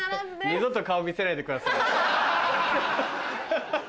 二度と顔見せないでください。